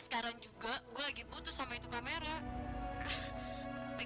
sekarang juga gue lagi butuh sama itu kamera